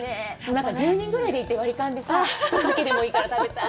１０人ぐらいで行って、割り勘でさ、一切れでもいいから、食べたい。